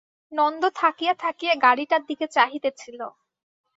নন্দ থাকিয়া থাকিয়া গাড়িটার দিকে চাহিতেছিল।